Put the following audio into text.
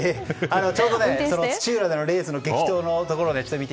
ちょうどね土浦でのレースの激闘のところ。